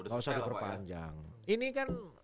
gak usah diperpanjang ini kan